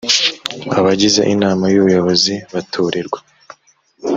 abagize inama y ubuyobozi batorerwa